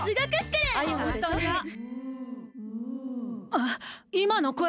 あっいまのこえは？